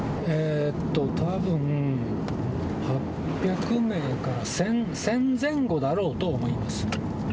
たぶん８００名から１０００前後だろうと思います。